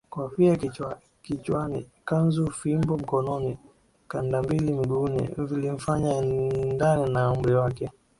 kofia kichwanikanzufimbo mkononikandambili miguuni vilimfanya aendane na umri wake